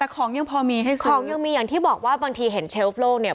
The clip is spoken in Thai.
แต่ของยังพอมีให้ซื้อของยังมีอย่างที่บอกว่าบางทีเห็นเชฟโลกเนี่ย